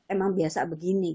emang biasa begini